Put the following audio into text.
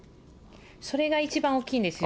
それが一番大きいんですよ。